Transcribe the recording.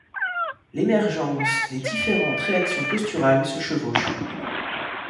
L’émergence des différentes réactions posturale se chevauche.